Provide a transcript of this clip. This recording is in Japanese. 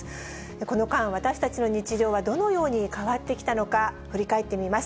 この間、私たちの日常はどのように変わってきたのか、振り返ってみます。